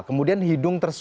kemudian hidung tersengat